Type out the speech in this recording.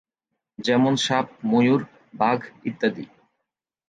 যেমন- সাপ, ময়ূর, বাঘ ইত্যাদি।